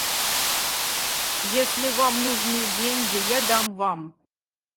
Если вам нужны деньги, я дам вам.